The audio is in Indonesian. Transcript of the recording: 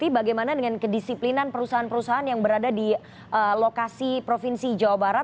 bagaimana dengan kedisiplinan perusahaan perusahaan yang berada di lokasi provinsi jawa barat